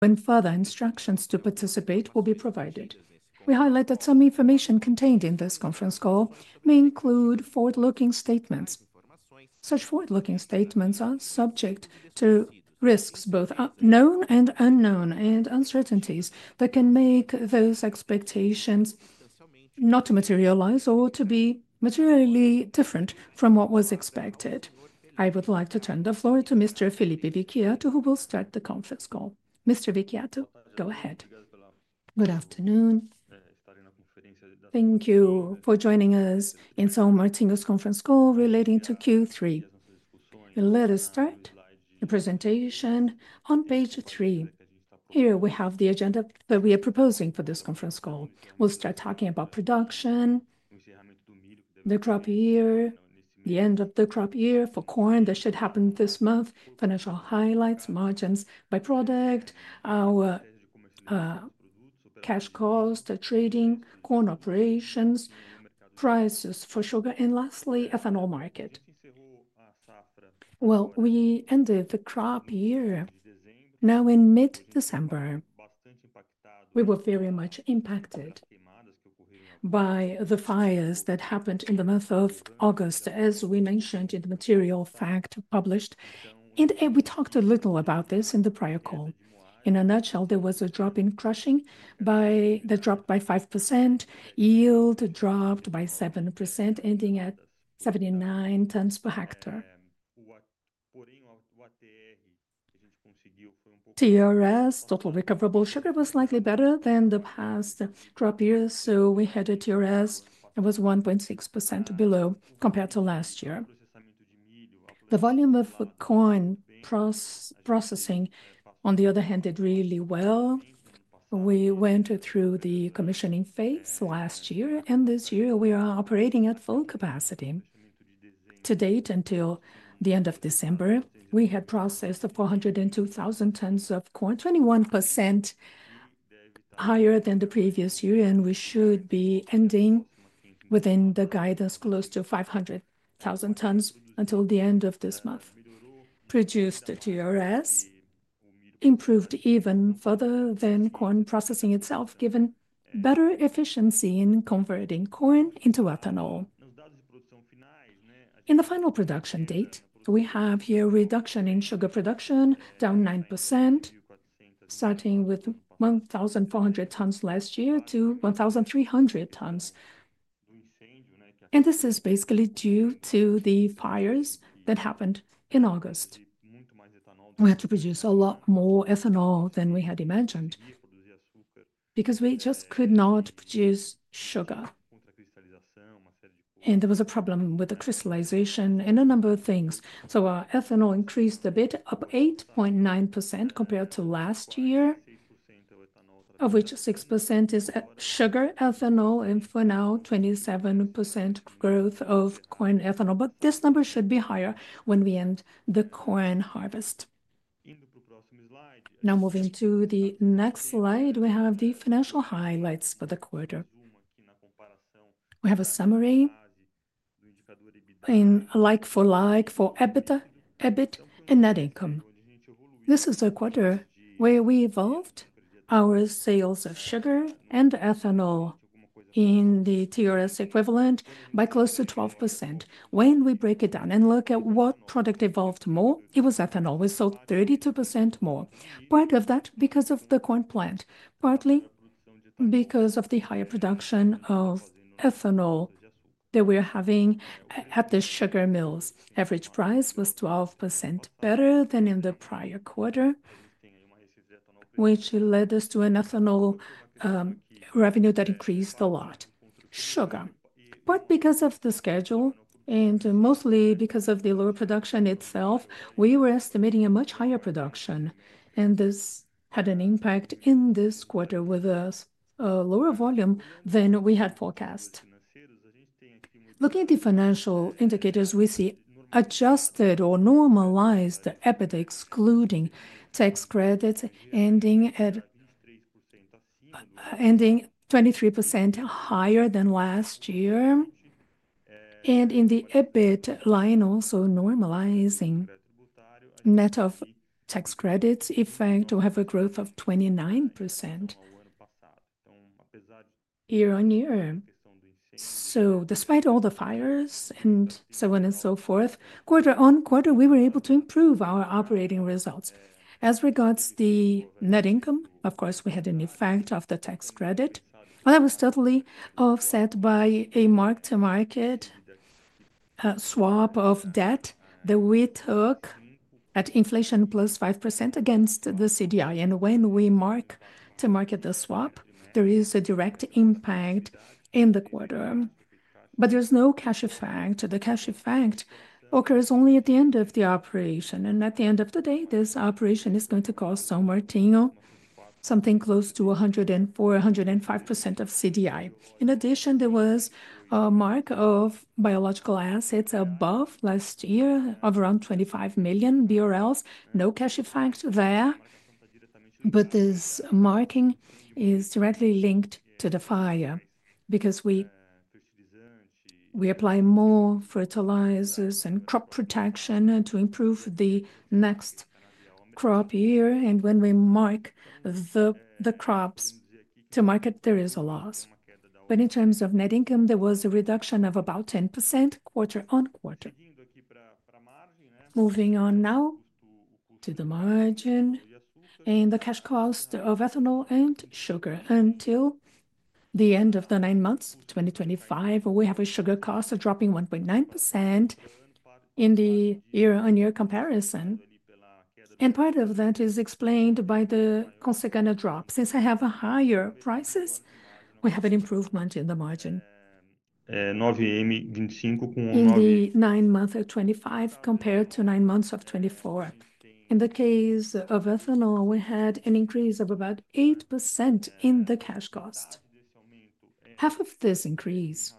When further instructions to participate will be provided, we highlight that some information contained in this conference call may include forward-looking statements. Such forward-looking statements are subject to risks, both known and unknown, and uncertainties that can make those expectations not to materialize or to be materially different from what was expected. I would like to turn the floor to Mr. Felipe Vicchiato, who will start the conference call. Mr. Vicchiato, go ahead. Good afternoon. Thank you for joining us in São Martinho's conference call relating to Q3. Let us start the presentation on page three. Here we have the agenda that we are proposing for this conference call. We'll start talking about production, the crop year, the end of the crop year for corn that should happen this month, financial highlights, margins by product, our cash cost, trading, corn operations, prices for sugar, and lastly, ethanol market. We ended the crop year now in mid-December. We were very much impacted by the fires that happened in the month of August, as we mentioned in the Material Fact published, and we talked a little about this in the prior call. In a nutshell, there was a drop in crushing by 5%, yield dropped by 7%, ending at 79 tons per hectare. TRS, total recoverable sugar, was slightly better than the past crop year, so we had a TRS that was 1.6% below compared to last year. The volume of corn processing, on the other hand, did really well. We went through the commissioning phase last year, and this year we are operating at full capacity. To date, until the end of December, we had processed 402,000 tons of corn, 21% higher than the previous year, and we should be ending within the guidance close to 500,000 tons until the end of this month. Produced TRS improved even further than corn processing itself, given better efficiency in converting corn into ethanol. In the final production data, we have here a reduction in sugar production, down 9%, starting with 1,400 tons last year to 1,300 tons, and this is basically due to the fires that happened in August. We had to produce a lot more ethanol than we had imagined because we just could not produce sugar, and there was a problem with the crystallization and a number of things, so our ethanol increased a bit, up 8.9% compared to last year, of which 6% is sugar ethanol, and for now, 27% growth of corn ethanol, but this number should be higher when we end the corn harvest. Now, moving to the next slide, we have the financial highlights for the quarter. We have a summary in like-for-like for EBITDA and net income. This is the quarter where we evolved our sales of sugar and ethanol in the TRS equivalent by close to 12%. When we break it down and look at what product evolved more, it was ethanol. We sold 32% more. Part of that because of the corn plant, partly because of the higher production of ethanol that we are having at the sugar mills. Average price was 12% better than in the prior quarter, which led us to an ethanol revenue that increased a lot. Sugar, but because of the schedule and mostly because of the lower production itself, we were estimating a much higher production, and this had an impact in this quarter with a lower volume than we had forecast. Looking at the financial indicators, we see adjusted or normalized EBITDA, excluding tax credits, ending at 23% higher than last year. And in the EBITDA line, also normalizing net of tax credits, in fact, we have a growth of 29% year on year. So despite all the fires and so on and so forth, quarter on quarter, we were able to improve our operating results. As regards the net income, of course, we had an effect of the tax credit. That was totally offset by a mark-to-market swap of debt that we took at inflation plus 5% against the CDI. And when we mark-to-market the swap, there is a direct impact in the quarter, but there's no cash effect. The cash effect occurs only at the end of the operation, and at the end of the day, this operation is going to cost São Martinho something close to 104%-105% of CDI. In addition, there was a mark of biological assets above last year of around 25 million BRL. No cash effect there, but this marking is directly linked to the fire because we apply more fertilizers and crop protection to improve the next crop year. And when we mark the crops to market, there is a loss. But in terms of net income, there was a reduction of about 10% quarter on quarter. Moving on now to the margin and the cash cost of ethanol and sugar. Until the end of the nine months of 2025, we have a sugar cost dropping 1.9% in the year-on-year comparison. And part of that is explained by the consecutive drop. Since I have higher prices, we have an improvement in the margin. In the nine months of 2025 compared to nine months of 2024. In the case of ethanol, we had an increase of about 8% in the cash cost. Half of this increase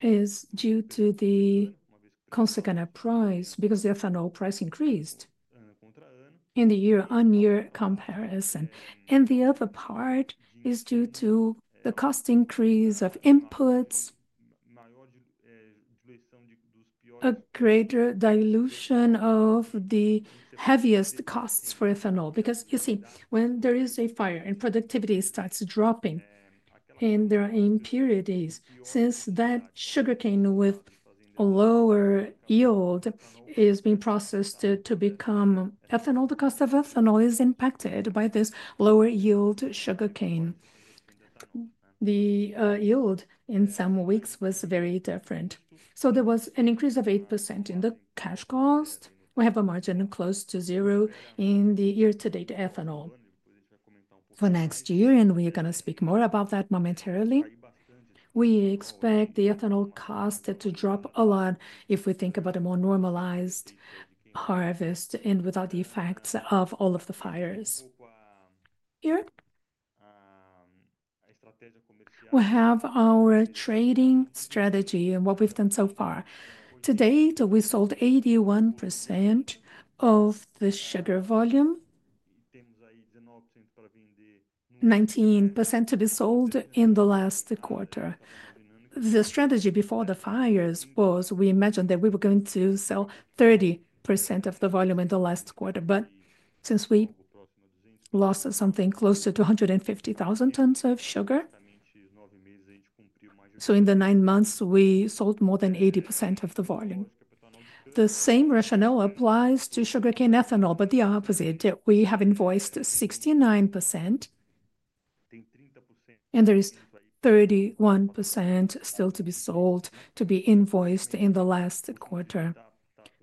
is due to the consecutive price because the ethanol price increased in the year-on-year comparison. And the other part is due to the cost increase of inputs, a greater dilution of the heaviest costs for ethanol. Because, you see, when there is a fire and productivity starts dropping in their impurities, since that sugarcane with a lower yield is being processed to become ethanol, the cost of ethanol is impacted by this lower yield sugarcane. The yield in some weeks was very different. So there was an increase of 8% in the cash cost. We have a margin close to zero in the year-to-date ethanol. For next year, and we are going to speak more about that momentarily, we expect the ethanol cost to drop a lot if we think about a more normalized harvest and without the effects of all of the fires. Here we have our trading strategy and what we've done so far. To date, we sold 81% of the sugar volume, 19% to be sold in the last quarter. The strategy before the fires was we imagined that we were going to sell 30% of the volume in the last quarter, but since we lost something close to 250,000 tons of sugar, so in the nine months, we sold more than 80% of the volume. The same rationale applies to sugarcane ethanol, but the opposite. We have invoiced 69%, and there is 31% still to be sold, to be invoiced in the last quarter.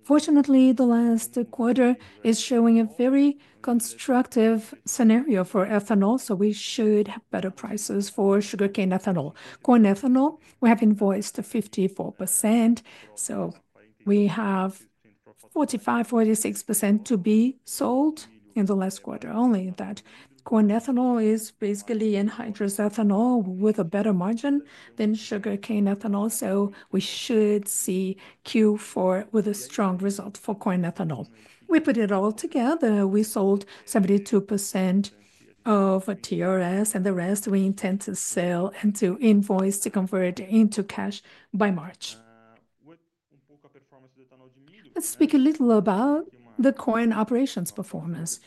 Fortunately, the last quarter is showing a very constructive scenario for ethanol, so we should have better prices for sugarcane ethanol. Corn ethanol, we have invoiced 54%, so we have 45%-46% to be sold in the last quarter. Only that corn ethanol is basically in hydrous ethanol with a better margin than sugarcane ethanol, so we should see Q4 with a strong result for corn ethanol. We put it all together. We sold 72% of TRS, and the rest we intend to sell and to invoice, to convert into cash by March. Let's speak a little about the corn operations performance.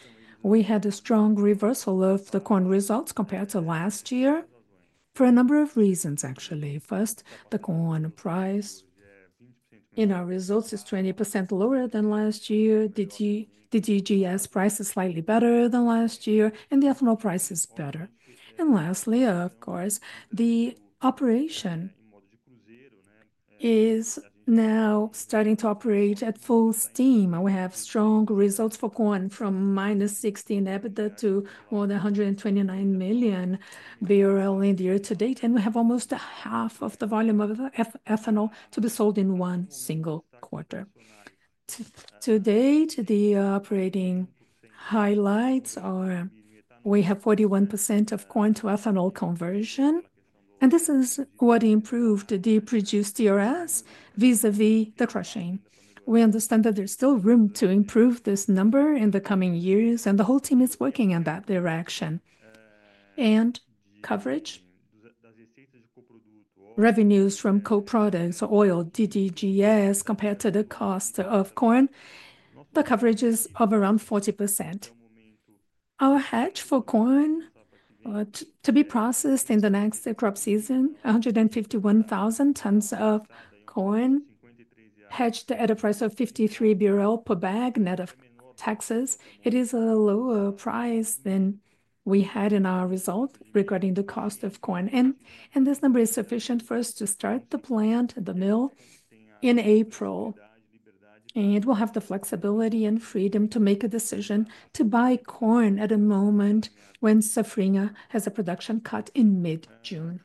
We had a strong reversal of the corn results compared to last year for a number of reasons, actually. First, the corn price in our results is 20% lower than last year. DDG price is slightly better than last year, and the ethanol price is better. And lastly, of course, the operation is now starting to operate at full steam. We have strong results for corn from minus 16 EBITDA to more than 129 million BRL in the year-to-date, and we have almost half of the volume of ethanol to be sold in one single quarter. To date, the operating highlights are we have 41% of corn to ethanol conversion, and this is what improved the produced TRS vis-à-vis the crushing. We understand that there's still room to improve this number in the coming years, and the whole team is working in that direction. Coverage, revenues from co-products, oil, DDG, compared to the cost of corn, the coverage is of around 40%. Our hedge for corn to be processed in the next crop season, 151,000 tons of corn hedged at a price of 53 BRL per bag net of taxes. It is a lower price than we had in our result regarding the cost of corn, and this number is sufficient for us to start the plant, the mill in April, and we'll have the flexibility and freedom to make a decision to buy corn at a moment when Safrinha has a production cut in mid-June.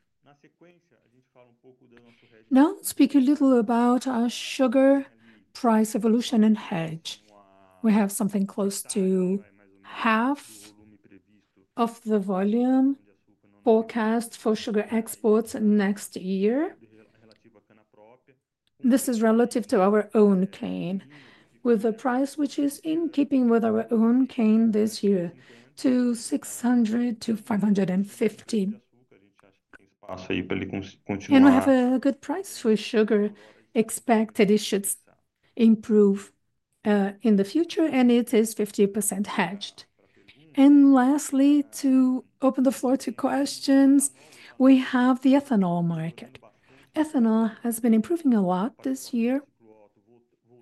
Now, speak a little about our sugar price evolution and hedge. We have something close to half of the volume forecast for sugar exports next year. This is relative to our own cane, with a price which is in keeping with our own cane this year, to 600 to 550. We have a good price for sugar expected. It should improve in the future, and it is 50% hedged. Lastly, to open the floor to questions, we have the ethanol market. Ethanol has been improving a lot this year,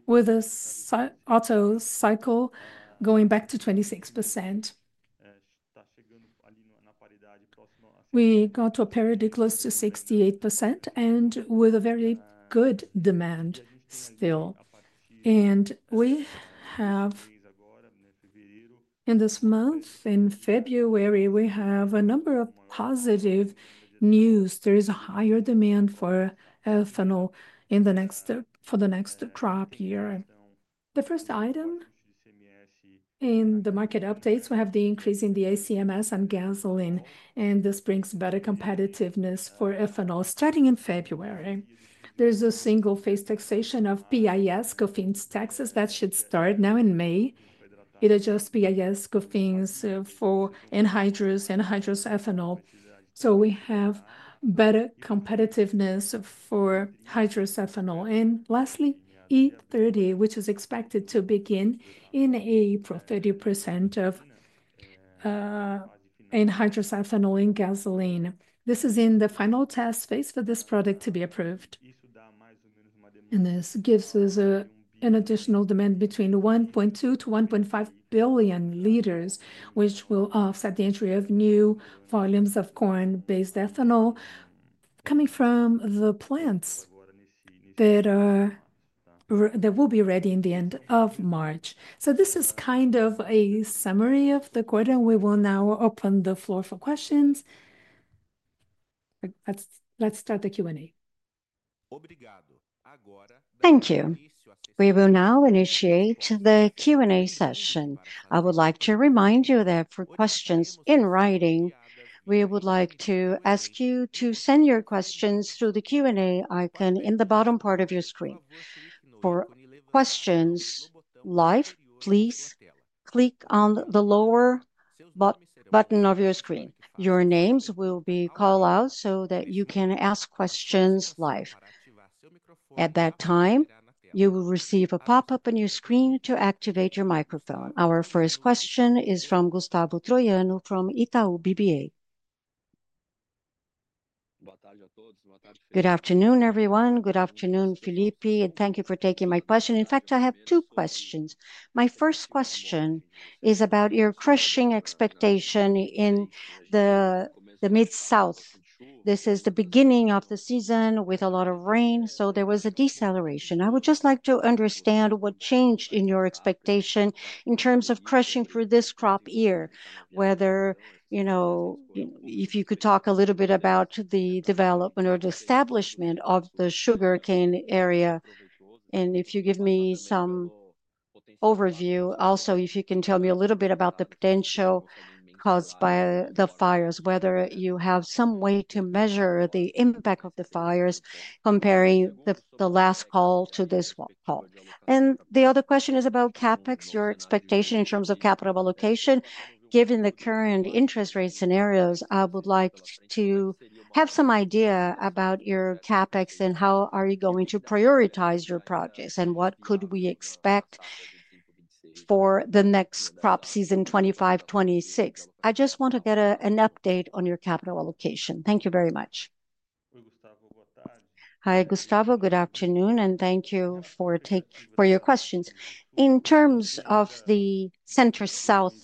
with the auto cycle going back to 26%. We got to a parity close to 68% and with a very good demand still, and we have, in this month, in February, a number of positive news. There is a higher demand for ethanol for the next crop year. The first item in the market updates, we have the increase in the ICMS and gasoline, and this brings better competitiveness for ethanol starting in February. There's a single-phase taxation of PIS, COFINS taxes, that should start now in May. It adjusts PIS, COFINS for anhydrous, anhydrous ethanol. So we have better competitiveness for hydrous ethanol. And lastly, E30, which is expected to begin in April, 30% of anhydrous ethanol in gasoline. This is in the final test phase for this product to be approved. And this gives us an additional demand between 1.2-1.5 billion liters, which will offset the entry of new volumes of corn-based ethanol coming from the plants that will be ready in the end of March. So this is kind of a summary of the quarter. We will now open the floor for questions. Let's start the Q&A. Thank you. We will now initiate the Q&A session. I would like to remind you that for questions in writing, we would like to ask you to send your questions through the Q&A icon in the bottom part of your screen. For questions live, please click on the lower button of your screen. Your names will be called out so that you can ask questions live. At that time, you will receive a pop-up on your screen to activate your microphone. Our first question is from Gustavo Troiano from Itaú BBA. Good afternoon, everyone. Good afternoon, Felipe. Thank you for taking my question. In fact, I have two questions. My first question is about your crushing expectation in the Center-South. This is the beginning of the season with a lot of rain, so there was a deceleration. I would just like to understand what changed in your expectation in terms of crushing for this crop year, whether you know if you could talk a little bit about the development or the establishment of the sugarcane area. If you give me some overview, also if you can tell me a little bit about the potential caused by the fires, whether you have some way to measure the impact of the fires comparing the last call to this call. The other question is about CAPEX, your expectation in terms of capital allocation. Given the current interest rate scenarios, I would like to have some idea about your CAPEX and how are you going to prioritize your projects and what could we expect for the next crop season, 2025-26. I just want to get an update on your capital allocation. Thank you very much. Hi, Gustavo. Good afternoon, and thank you for your questions. In terms of the Center-South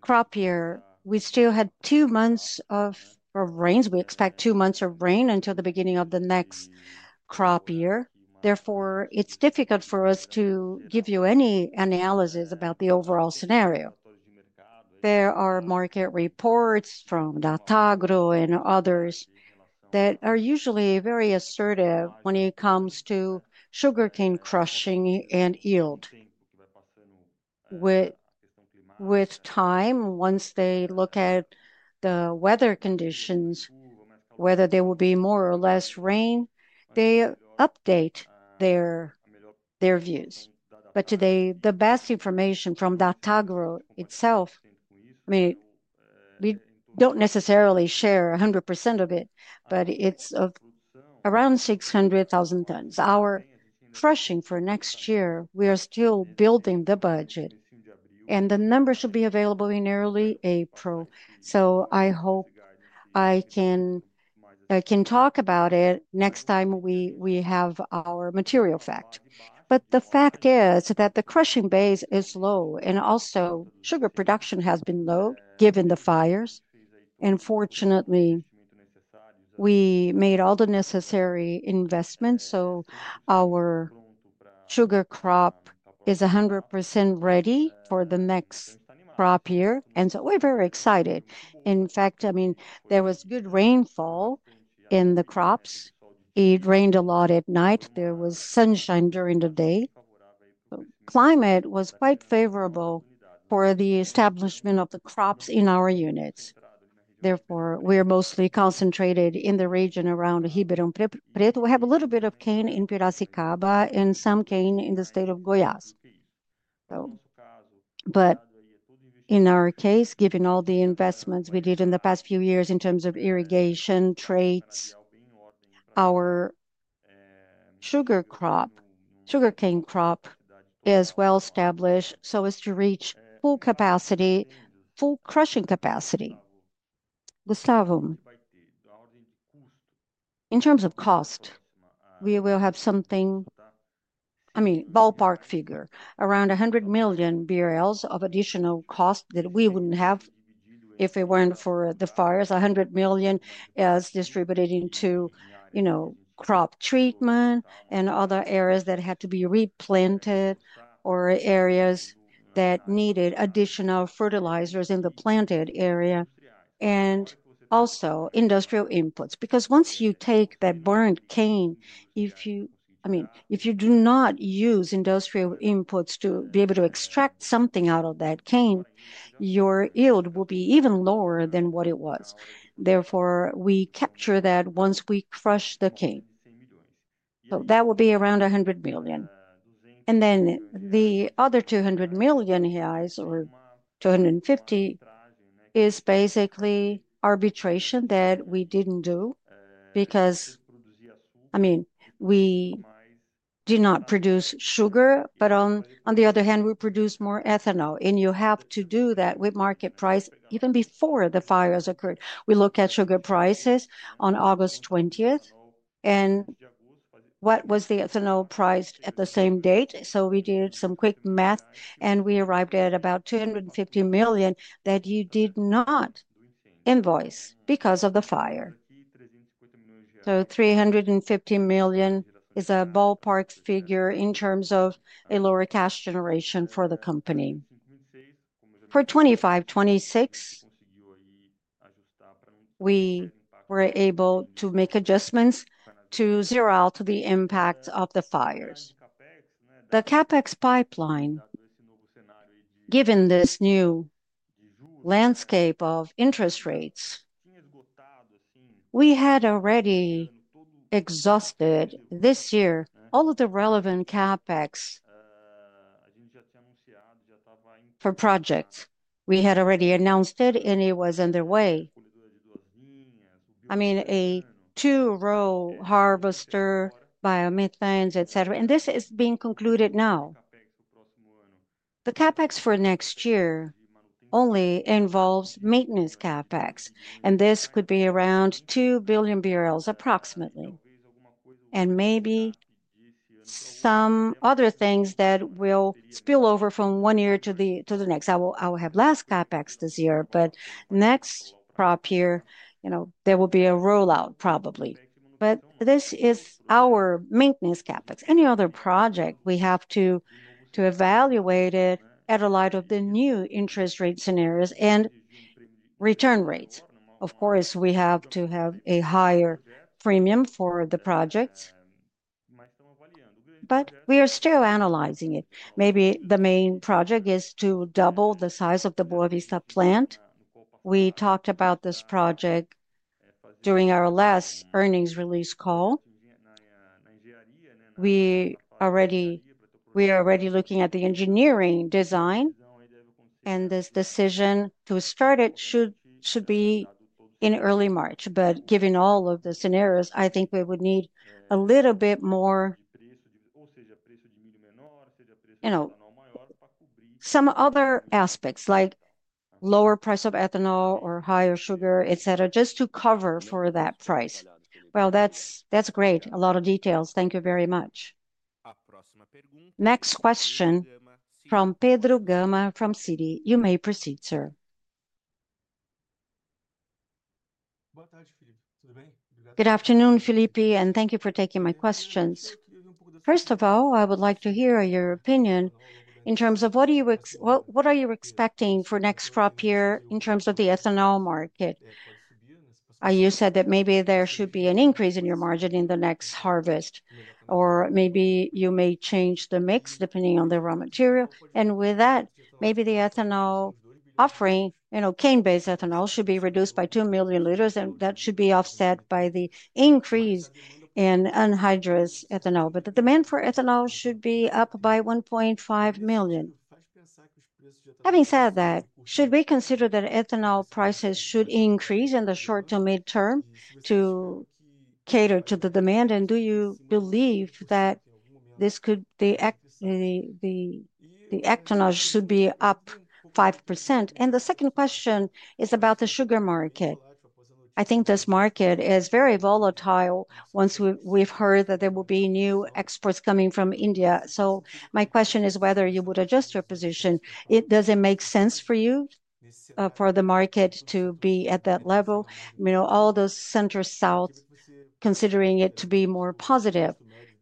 crop year, we still had two months of rains. We expect two months of rain until the beginning of the next crop year. Therefore, it's difficult for us to give you any analysis about the overall scenario. There are market reports from Datagro and others that are usually very assertive when it comes to sugarcane crushing and yield. With time, once they look at the weather conditions, whether there will be more or less rain, they update their views. But today, the best information from Datagro itself, we don't necessarily share 100% of it, but it's of around 600,000 tons. Our crushing for next year, we are still building the budget, and the numbers should be available in early April. So I hope I can talk about it next time we have our Material Fact. But the fact is that the crushing base is low, and also sugar production has been low given the fires. And fortunately, we made all the necessary investments, so our sugar crop is 100% ready for the next crop year. And so we're very excited. In fact, I mean, there was good rainfall in the crops. It rained a lot at night. There was sunshine during the day. Climate was quite favorable for the establishment of the crops in our units. Therefore, we are mostly concentrated in the region around Ribeirão Preto. We have a little bit of sugarcane in Piracicaba and some sugarcane in the state of Goiás. But in our case, given all the investments we did in the past few years in terms of irrigation traits, our sugarcane crop is well established so as to reach full capacity, full crushing capacity. Gustavo, in terms of cost, we will have something, I mean, ballpark figure, around 100 million BRL of additional cost that we wouldn't have if it weren't for the fires. 100 million is distributed into, you know, crop treatment and other areas that had to be replanted or areas that needed additional fertilizers in the planted area and also industrial inputs. Because once you take that burnt cane, if you, I mean, if you do not use industrial inputs to be able to extract something out of that cane, your yield will be even lower than what it was. Therefore, we capture that once we crush the cane. So that will be around 100 million. And then the other 200 million here is or 250 is basically arbitrage that we didn't do because, I mean, we did not produce sugar, but on the other hand, we produce more ethanol. And you have to do that with market price even before the fires occurred. We look at sugar prices on August 20th, and what was the ethanol price at the same date? So we did some quick math, and we arrived at about 250 million that you did not invoice because of the fire. So 350 million is a ballpark figure in terms of a lower cash generation for the company. For 2025-2026, we were able to make adjustments to zero out the impact of the fires. The CapEx pipeline, given this new landscape of interest rates, we had already exhausted this year all of the relevant CapEx. For projects, we had already announced it, and it was underway. I mean, a two-row harvester, biomethane, etc. And this is being concluded now. The CapEx for next year only involves maintenance CapEx, and this could be around 2 billion BRL approximately. And maybe some other things that will spill over from one year to the next. I will have less CapEx this year, but next crop year, you know, there will be a rollout probably. But this is our maintenance CapEx. Any other project, we have to evaluate it in the light of the new interest rate scenarios and return rates. Of course, we have to have a higher premium for the projects, but we are still analyzing it. Maybe the main project is to double the size of the Boa Vista plant. We talked about this project during our last earnings release call. We are already looking at the engineering design, and this decision to start it should be in early March. But given all of the scenarios, I think we would need a little bit more, you know, some other aspects, like lower price of ethanol or higher sugar, etc., just to cover for that price. That's great. A lot of details. Thank you very much. Next question from Pedro Gama from Citi. You may proceed, sir. Good afternoon, Felipe, and thank you for taking my questions. First of all, I would like to hear your opinion in terms of what are you expecting for next crop year in terms of the ethanol market. You said that maybe there should be an increase in your margin in the next harvest, or maybe you may change the mix depending on the raw material. And with that, maybe the ethanol offering, you know, cane-based ethanol should be reduced by two million liters, and that should be offset by the increase in anhydrous ethanol. But the demand for ethanol should be up by 1.5 million. Having said that, should we consider that ethanol prices should increase in the short to mid-term to cater to the demand? And do you believe that this could be the ethanol should be up 5%? And the second question is about the sugar market. I think this market is very volatile once we've heard that there will be new exports coming from India. So my question is whether you would adjust your position. Does it make sense for you for the market to be at that level? You know, all those Center-South considering it to be more positive.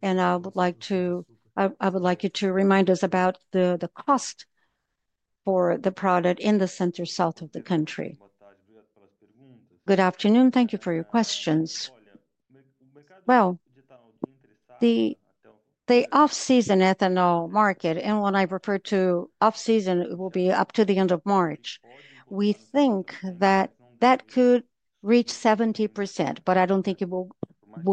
And I would like to, I would like you to remind us about the cost for the product in the Center-South of the country. Good afternoon. Thank you for your questions. The off-season ethanol market, and when I refer to off-season, it will be up to the end of March. We think that that could reach 70%, but I don't think it will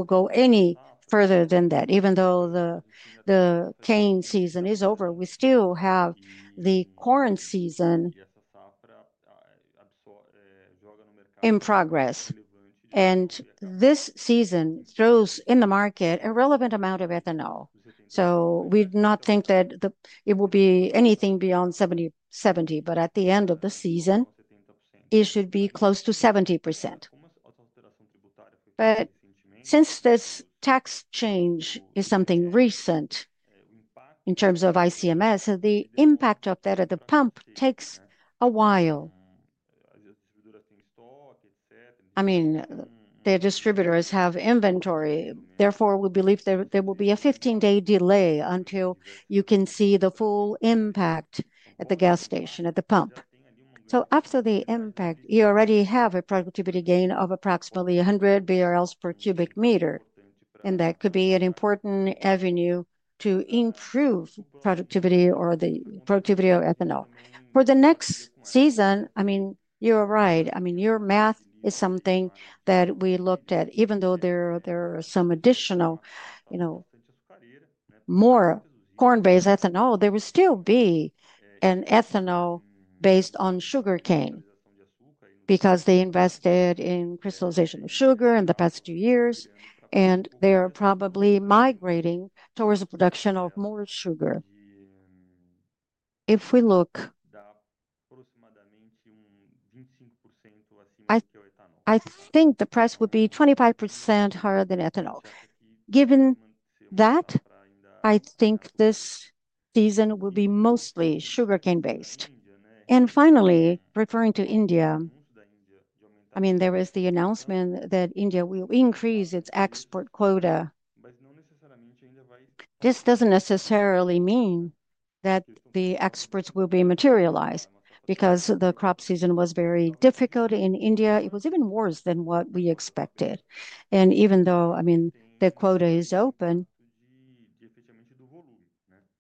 go any further than that. Even though the cane season is over, we still have the corn season in progress. And this season throws in the market a relevant amount of ethanol. We do not think that it will be anything beyond 70%, but at the end of the season, it should be close to 70%. But since this tax change is something recent in terms of ICMS, the impact of that at the pump takes a while. I mean, the distributors have inventory. Therefore, we believe there will be a 15-day delay until you can see the full impact at the gas station, at the pump. So after the impact, you already have a productivity gain of approximately 100 BRL per cubic meter. And that could be an important avenue to improve productivity or the productivity of ethanol. For the next season, I mean, you're right. I mean, your math is something that we looked at. Even though there are some additional, you know, more corn-based ethanol, there will still be an ethanol based on sugarcane because they invested in crystallization of sugar in the past few years, and they are probably migrating towards the production of more sugar. If we look, I think the price would be 25% higher than ethanol. Given that, I think this season will be mostly sugarcane-based. And finally, referring to India, I mean, there is the announcement that India will increase its export quota. This doesn't necessarily mean that the exports will be materialized because the crop season was very difficult in India. It was even worse than what we expected. And even though, I mean, the quota is open,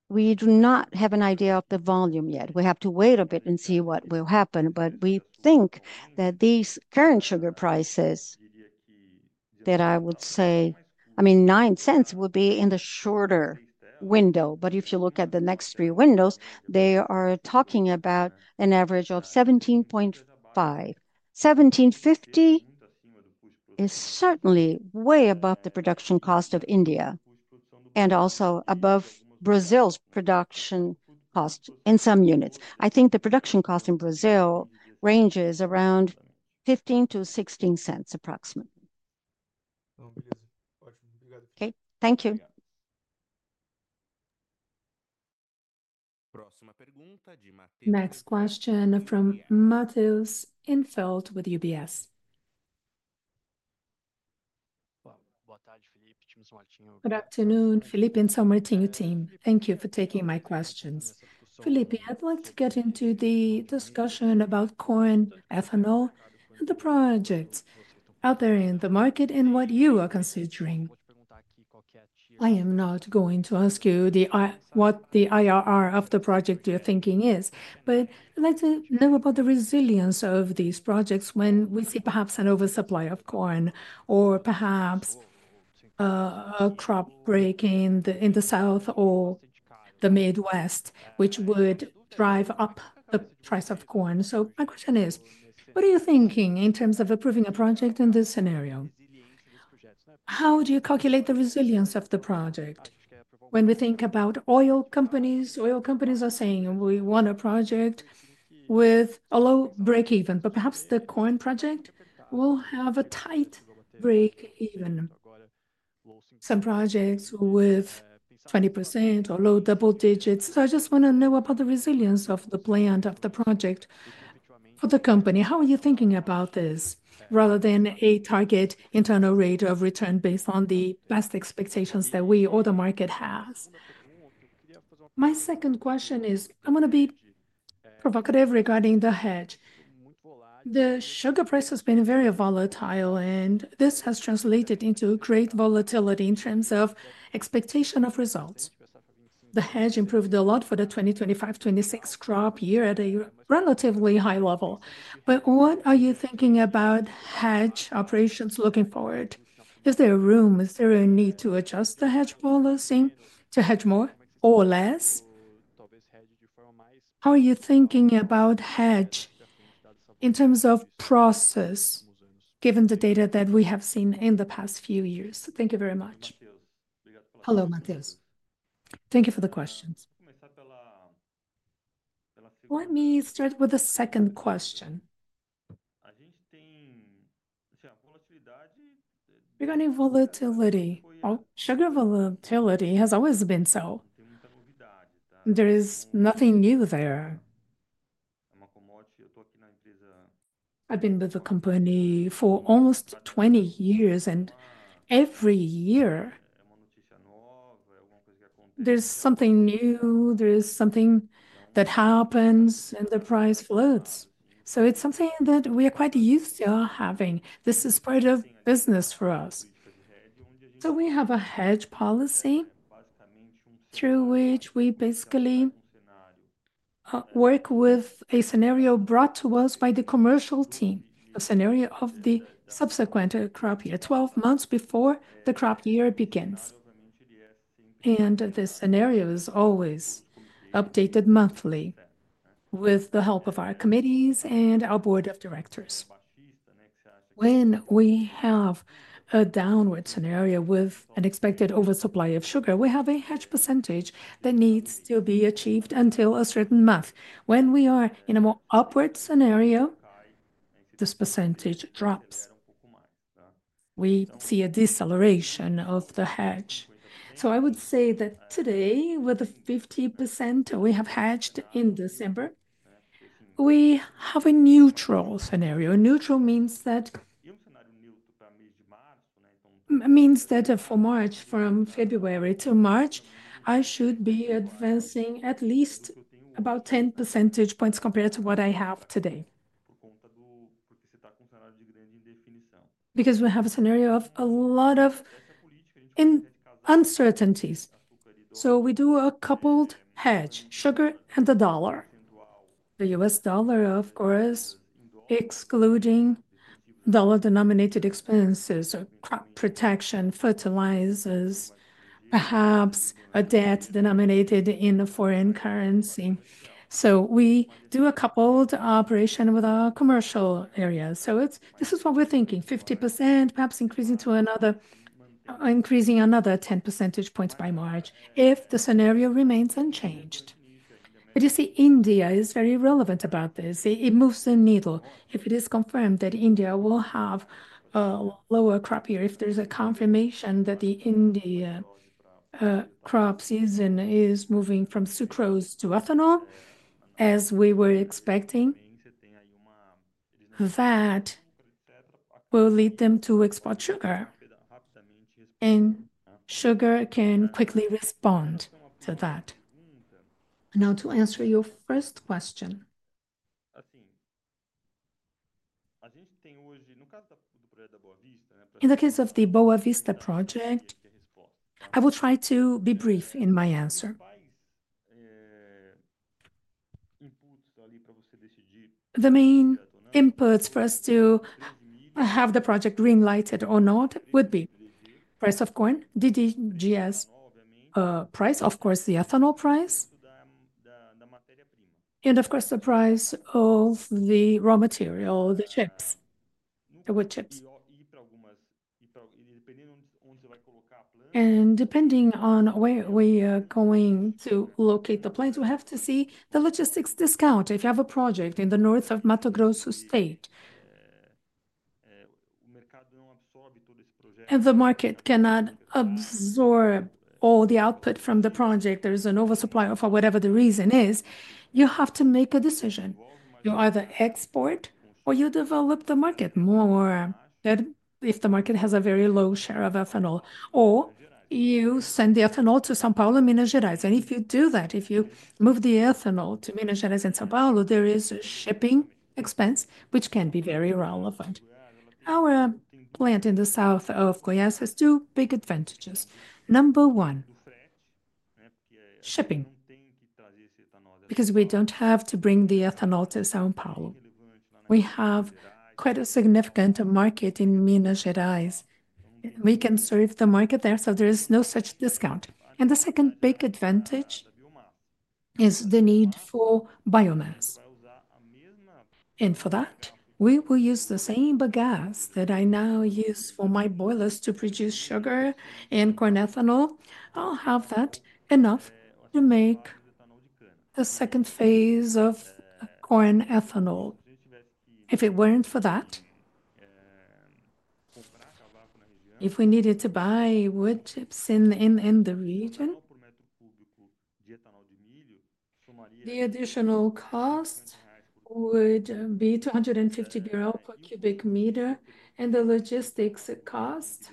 we do not have an idea of the volume yet. We have to wait a bit and see what will happen. But we think that these current sugar prices, that I would say, I mean, $0.09 would be in the shorter window. But if you look at the next three windows, they are talking about an average of $0.175. $0.175 is certainly way above the production cost of India and also above Brazil's production cost in some units. I think the production cost in Brazil ranges around $0.15-$0.16 approximately. Okay, thank you. Next question from Matheus Enfeldt with UBS. Good afternoon, Felipe and São Martinho team. Thank you for taking my questions. Felipe, I'd like to get into the discussion about corn ethanol and the projects out there in the market and what you are considering. I am not going to ask you what the IRR of the project you're thinking is, but I'd like to know about the resilience of these projects when we see perhaps an oversupply of corn or perhaps a crop break in the South or the Midwest, which would drive up the price of corn. So my question is, what are you thinking in terms of approving a project in this scenario? How do you calculate the resilience of the project? When we think about oil companies, oil companies are saying we want a project with a low break-even, but perhaps the corn project will have a tight break-even. Some projects with 20% or low double digits. So I just want to know about the resilience of the plan of the project for the company. How are you thinking about this rather than a target internal rate of return based on the best expectations that we or the market has? My second question is, I'm going to be provocative regarding the hedge. The sugar price has been very volatile, and this has translated into great volatility in terms of expectation of results. The hedge improved a lot for the 2025-26 crop year at a relatively high level. But what are you thinking about hedge operations looking forward? Is there a room? Is there a need to adjust the hedge policy to hedge more or less? How are you thinking about hedge in terms of process given the data that we have seen in the past few years? Thank you very much. Hello, Matheus. Thank you for the questions. Let me start with the second question. Regarding volatility, sugar volatility has always been so. There is nothing new there. I've been with the company for almost 20 years, and every year there's something new, there's something that happens, and the price floats. So it's something that we are quite used to having. This is part of business for us. So we have a hedge policy through which we basically work with a scenario brought to us by the commercial team, a scenario of the subsequent crop year, 12 months before the crop year begins. And the scenario is always updated monthly with the help of our committees and our board of directors. When we have a downward scenario with an expected oversupply of sugar, we have a hedge percentage that needs to be achieved until a certain month. When we are in a more upward scenario, this percentage drops. We see a deceleration of the hedge. I would say that today, with the 50% we have hedged in December, we have a neutral scenario. Neutral means that for March, from February to March, I should be advancing at least about 10 percentage points compared to what I have today. Because we have a scenario of a lot of uncertainties. We do a coupled hedge, sugar and the dollar. The U.S dollar, of course, excluding dollar-denominated expenses, crop protection, fertilizers, perhaps a debt denominated in a foreign currency. We do a coupled operation with our commercial area. This is what we're thinking: 50%, perhaps increasing another 10 percentage points by March if the scenario remains unchanged. But you see, India is very relevant about this. It moves the needle. If it is confirmed that India will have a lower crop year, if there's a confirmation that the India crop season is moving from sucrose to ethanol, as we were expecting, that will lead them to export sugar, and sugar can quickly respond to that. Now, to answer your first question, in the case of the Boa Vista project, I will try to be brief in my answer. The main inputs for us to have the project greenlighted or not would be price of corn, DDG, price, of course, the ethanol price, and of course, the price of the raw material, the chips, and depending on where we are going to locate the plants, we have to see the logistics discount. If you have a project in the north of Mato Grosso state, and the market cannot absorb all the output from the project, there is an oversupply of whatever the reason is, you have to make a decision. You either export or you develop the market more. If the market has a very low share of ethanol, or you send the ethanol to São Paulo and Minas Gerais, and if you do that, if you move the ethanol to Minas Gerais and São Paulo, there is a shipping expense, which can be very relevant. Our plant in the south of Goiás has two big advantages. Number one, shipping, because we don't have to bring the ethanol to São Paulo. We have quite a significant market in Minas Gerais. We can serve the market there, so there is no such discount, and the second big advantage is the need for biomass. And for that, we will use the same biogas that I now use for my boilers to produce sugar and corn ethanol. I'll have that enough to make the second phase of corn ethanol. If it weren't for that, if we needed to buy wood chips in the region, the additional cost would be BRL 250 per cubic meter. And the logistics cost,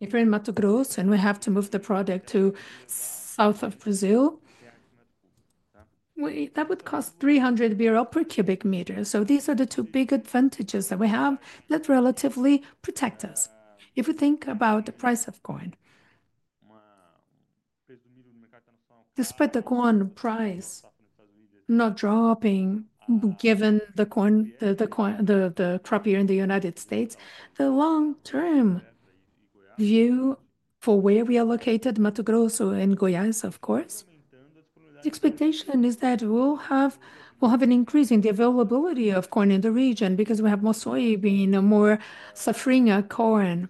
if we're in Mato Grosso and we have to move the product to south of Brazil, that would cost 300 per cubic meter. So these are the two big advantages that we have that relatively protect us. If you think about the price of corn, despite the corn price not dropping given the crop year in the United States, the long-term view for where we are located, Mato Grosso and Goiás, of course, the expectation is that we'll have an increase in the availability of corn in the region because we have more soybean, more safrinha corn.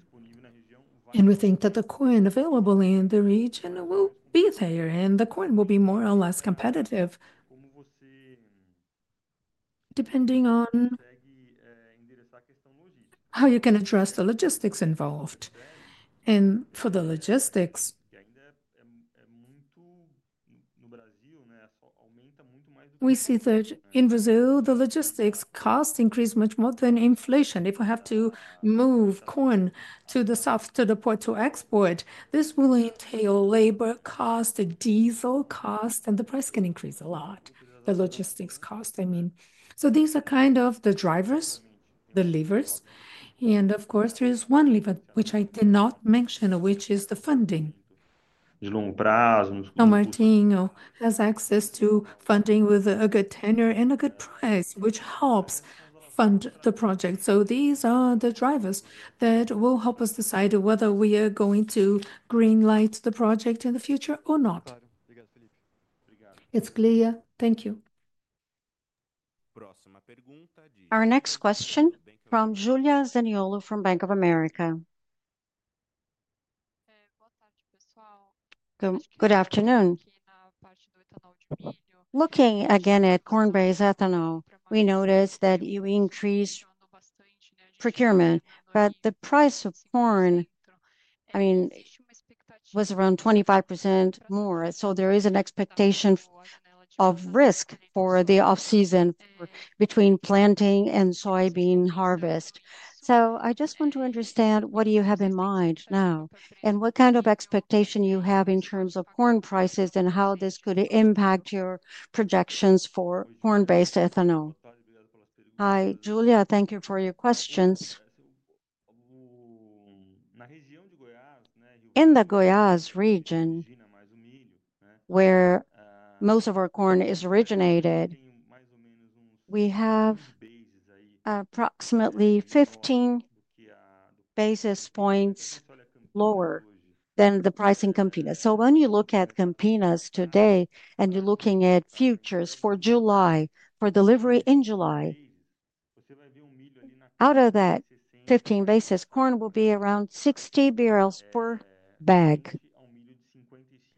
And we think that the corn available in the region will be there, and the corn will be more or less competitive, depending on how you can address the logistics involved. And for the logistics, we see that in Brazil, the logistics cost increased much more than inflation. If we have to move corn to the south to the port to export, this will entail labor cost, diesel cost, and the price can increase a lot, the logistics cost. I mean, so these are kind of the drivers, the levers. Of course, there is one lever, which I did not mention, which is the funding. São Martinho has access to funding with a good tenure and a good price, which helps fund the project. These are the drivers that will help us decide whether we are going to greenlight the project in the future or not. It's clear. Thank you. Our next question from Julia Zaniolo from Bank of America. Good afternoon. Looking again at corn-based ethanol, we noticed that you increased procurement, but the price of corn, I mean, was around 25% more. There is an expectation of risk for the off-season between planting and soybean harvest. I just want to understand what do you have in mind now and what kind of expectation you have in terms of corn prices and how this could impact your projections for corn-based ethanol. Hi, Julia, thank you for your questions. In the Goiás region, where most of our corn is originated, we have approximately 15 basis points lower than the price in Campinas. So when you look at Campinas today and you're looking at futures for July, for delivery in July, out of that 15 basis, corn will be around 60 per bag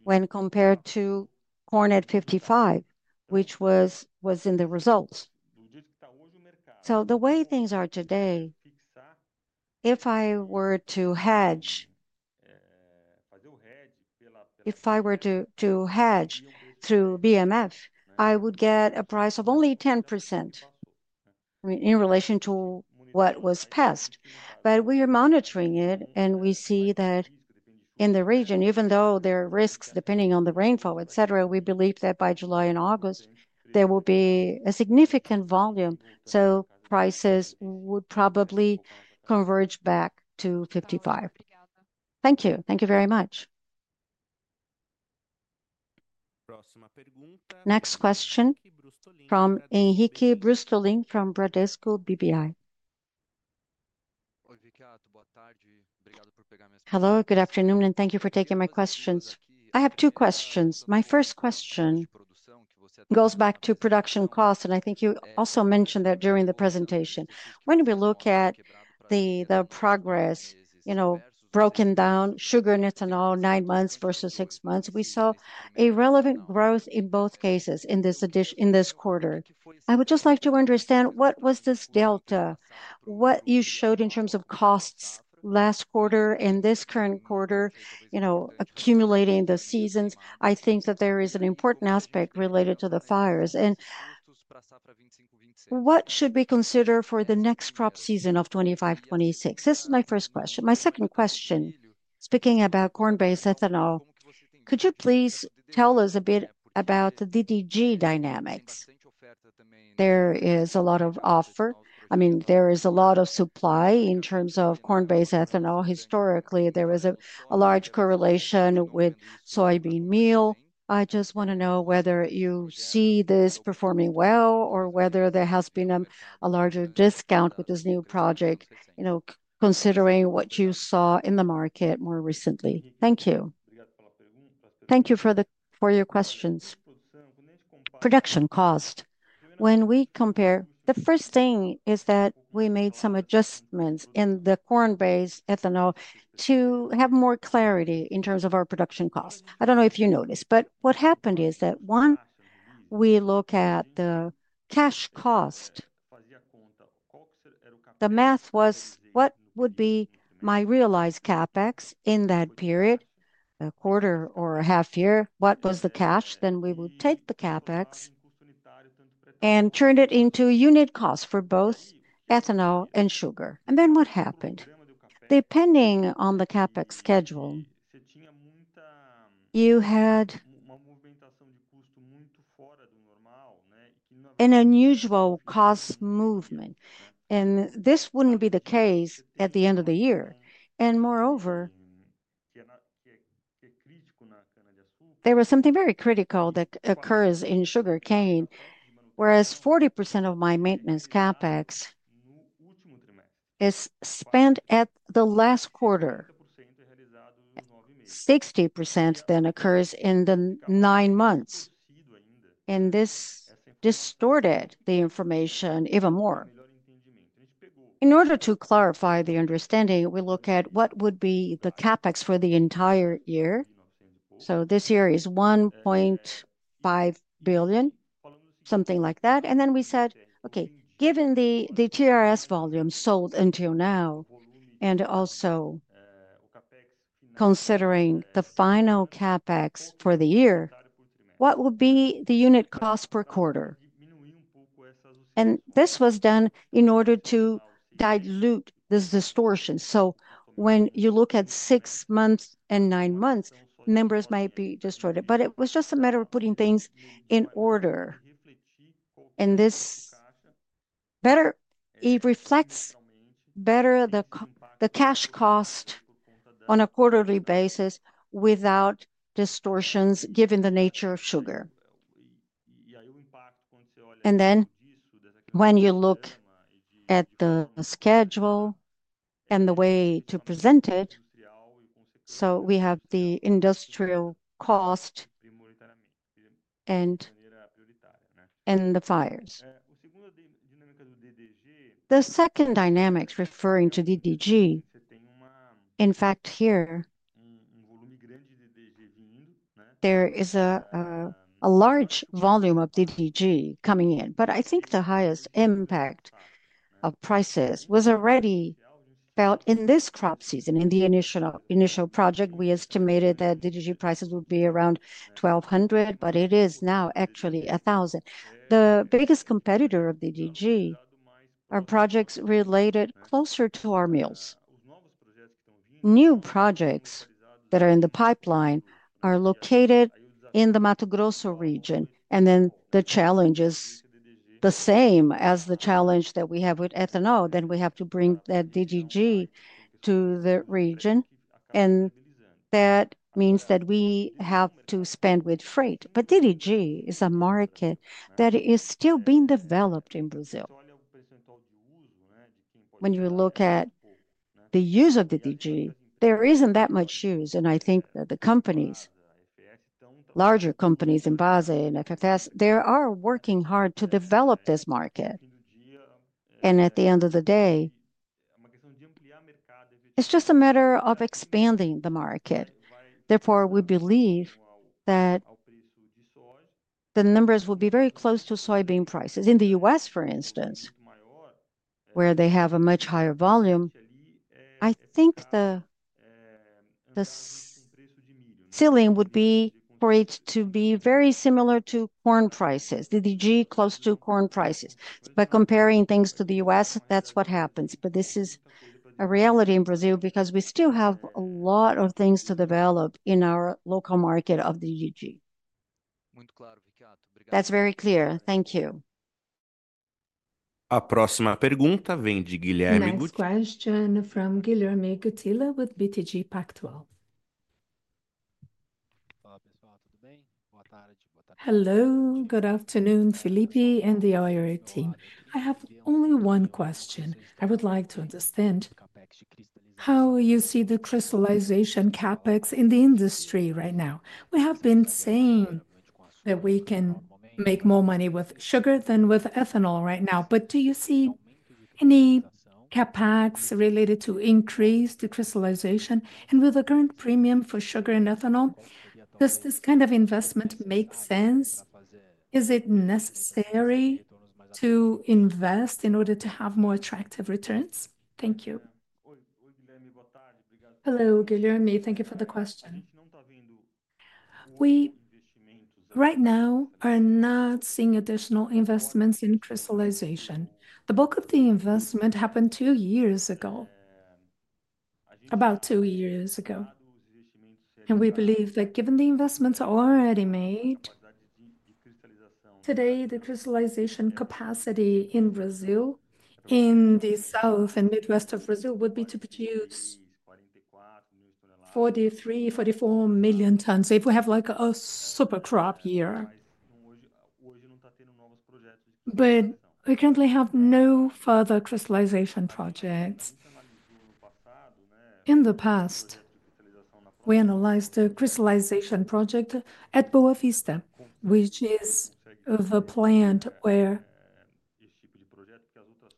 when compared to corn at 55, which was in the results. So the way things are today, if I were to hedge through BMF, I would get a price of only 10% in relation to what was passed. But we are monitoring it, and we see that in the region, even though there are risks depending on the rainfall, etc., we believe that by July and August, there will be a significant volume. So prices would probably converge back to 55. Thank you. Thank you very much. Next question from Henrique Brustolin from Bradesco BBI. Hello, good afternoon, and thank you for taking my questions. I have two questions. My first question goes back to production costs, and I think you also mentioned that during the presentation. When we look at the progress, you know, broken down sugar and ethanol, nine months versus six months, we saw a relevant growth in both cases in this quarter. I would just like to understand what was this delta, what you showed in terms of costs last quarter and this current quarter, you know, accumulating the seasons. I think that there is an important aspect related to the fires. And what should we consider for the next crop season of 25-26? This is my first question. My second question, speaking about corn-based ethanol, could you please tell us a bit about the DDG dynamics? There is a lot of offer. I mean, there is a lot of supply in terms of corn-based ethanol. Historically, there was a large correlation with soybean meal. I just want to know whether you see this performing well or whether there has been a larger discount with this new project, you know, considering what you saw in the market more recently. Thank you. Thank you for your questions. Production cost, when we compare. The first thing is that we made some adjustments in the corn-based ethanol to have more clarity in terms of our production costs. I don't know if you noticed, but what happened is that one, we look at the cash cost. The math was what would be my realized CAPEX in that period, a quarter or a half year, what was the cash? Then we would take the CAPEX and turn it into unit costs for both ethanol and sugar. And then what happened? Depending on the CAPEX schedule, you had an unusual cost movement, and this wouldn't be the case at the end of the year. And moreover, there was something very critical that occurs in sugarcane, whereas 40% of my maintenance CAPEX is spent at the last quarter. 60% then occurs in the nine months, and this distorted the information even more. In order to clarify the understanding, we look at what would be the CAPEX for the entire year. So this year is 1.5 billion, something like that. And then we said, okay, given the TRS volume sold until now, and also considering the final CAPEX for the year, what would be the unit cost per quarter? And this was done in order to dilute this distortion. When you look at six months and nine months, numbers might be distorted, but it was just a matter of putting things in order. This better reflects the cash cost on a quarterly basis without distortions, given the nature of sugar. When you look at the schedule and the way to present it, we have the industrial cost and the fixed. The second dynamic, referring to DDG, in fact, here, there is a large volume of DDG coming in. But I think the highest impact of prices was already felt in this crop season. In the initial project, we estimated that DDG prices would be around 1,200, but it is now actually 1,000. The biggest competitor of DDG are projects related closer to soybean meal. New projects that are in the pipeline are located in the Mato Grosso region. And then the challenge is the same as the challenge that we have with ethanol. Then we have to bring that DDG to the region. And that means that we have to spend with freight. But DDG is a market that is still being developed in Brazil. When you look at the use of DDG, there isn't that much use. And I think that the companies, larger companies in Brazil and FFS, they are working hard to develop this market. And at the end of the day, it's just a matter of expanding the market. Therefore, we believe that the numbers will be very close to soybean prices. In the U.S, for instance, where they have a much higher volume, I think the ceiling would be for it to be very similar to corn prices, DDG close to corn prices. But comparing things to the U.S, that's what happens. But this is a reality in Brazil because we still have a lot of things to develop in our local market of DDG. That's very clear. Thank you. Next question from Guilherme Guttilla with BTG Pactual. Hello, good afternoon, Felipe and the IRO team. I have only one question. I would like to understand how you see the crystallization CapEx in the industry right now. We have been saying that we can make more money with sugar than with ethanol right now. But do you see any CapEx related to increase the crystallization? And with the current premium for sugar and ethanol, does this kind of investment make sense? Is it necessary to invest in order to have more attractive returns? Thank you. Hello, Guilherme. Thank you for the question. We right now are not seeing additional investments in crystallization. The bulk of the investment happened two years ago, about two years ago, and we believe that given the investments already made, today, the crystallization capacity in Brazil, in the South and Midwest of Brazil, would be to produce 43-44 million tons, so if we have like a super crop year, we currently have no further crystallization projects. In the past, we analyzed the crystallization project at Boa Vista, which is the plant where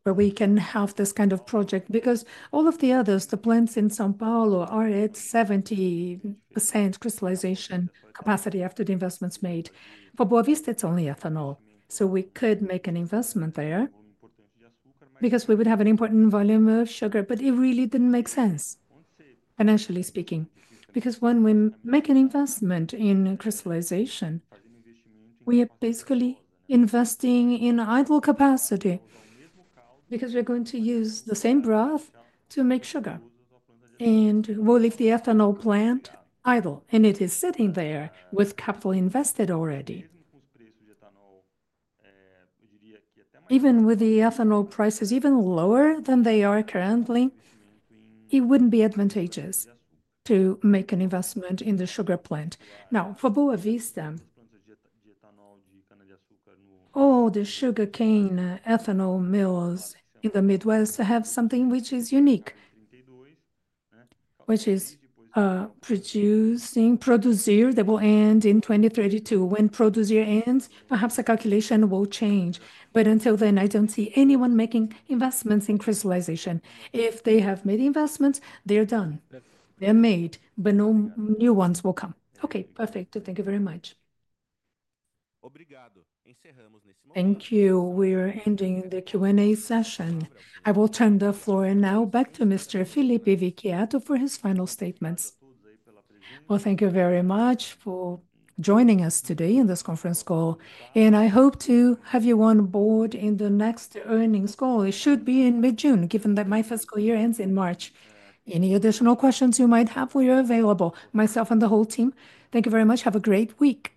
we can have this kind of project. Because all of the others, the plants in São Paulo are at 70% crystallization capacity after the investments made. For Boa Vista, it's only ethanol, so we could make an investment there because we would have an important volume of sugar, but it really didn't make sense, financially speaking. Because when we make an investment in crystallization, we are basically investing in idle capacity because we're going to use the same broth to make sugar, and we'll leave the ethanol plant idle, and it is sitting there with capital invested already. Even with the ethanol prices even lower than they are currently, it wouldn't be advantageous to make an investment in the sugar plant. Now, for Boa Vista, all the sugarcane ethanol mills in the Midwest have something which is unique, which is Produzir that will end in 2032. When Produzir ends, perhaps the calculation will change, but until then, I don't see anyone making investments in crystallization. If they have made investments, they're done. They're made, but no new ones will come. Okay, perfect. Thank you very much. Thank you. We're ending the Q&A session. I will turn the floor now back to Mr. Felipe Vicchiato for his final statements. Well, thank you very much for joining us today in this conference call. I hope to have you on board in the next earnings call. It should be in mid-June, given that my fiscal year ends in March. Any additional questions you might have, we are available, myself and the whole team. Thank you very much. Have a great week.